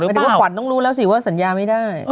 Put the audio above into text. ถึงว่าขวัญต้องรู้แล้วสิว่าสัญญาไม่ได้